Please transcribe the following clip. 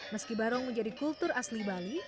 meski barong menjadi kultur asli bali